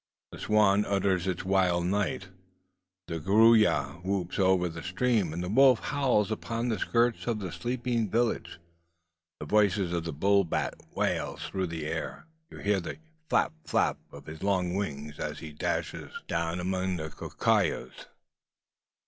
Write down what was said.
The swan utters its wild note, the gruya whoops over the stream, and the wolf howls upon the skirts of the sleeping village. The voice of the bull bat wails through the air. You hear the "flap, flap" of his long wings as he dashes down among the cocuyos.